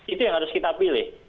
itu yang harus kita pilih